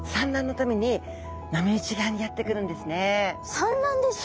産卵ですか？